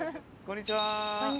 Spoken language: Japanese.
こんにちは。